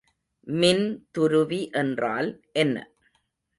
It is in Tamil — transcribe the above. மின்துருவி என்றால் என்ன?